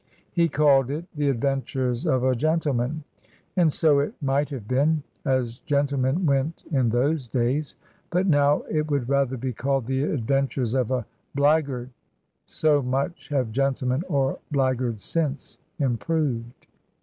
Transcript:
He called it "The Adventures of a Gentleman," and so it might have been, as gentlemen went in those days ; but now it would rather be called "The Adventures of a Black guard," so much have gentlemen or blackguards since improved.